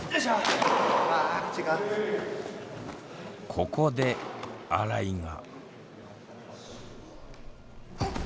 ここで新井が。